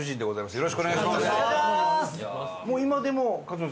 よろしくお願いします！